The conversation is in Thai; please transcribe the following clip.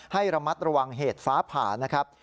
ให้ระมัดระวังเหตุฟ้าผ่านะครับ